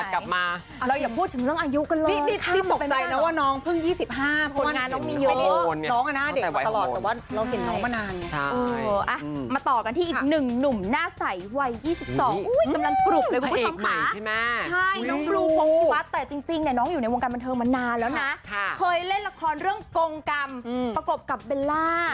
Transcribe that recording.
เคยเล่นละครเรื่องกงกรรมประกบกับเบลล่า